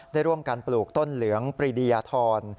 ได้ร่วมกันปลูกต้นเหลืองปรีดียธร